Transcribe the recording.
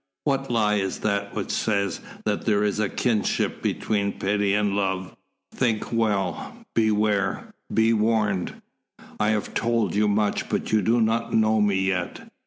"What lie is that which says that there is a kinship between pity and love? Think well beware be warned. I have told you much, but you do not know me yet.